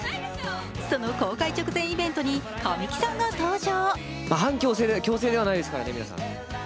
その公開直前イベントに神木さんが登場。